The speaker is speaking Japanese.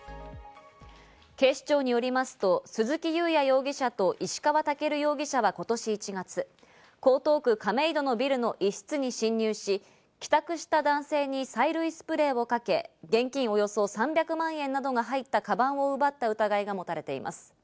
警視庁によりますと、鈴木雄也容疑者と石川健容疑者は今年１月、江東区亀戸のビルの一室に侵入し、帰宅した男性に催涙スプレーをかけ、現金およそ３００万円などが入ったかばんを奪った疑いがもたれています。